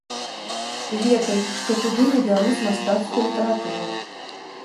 Ведаем, што туды не бяруць мастацкую літаратуру.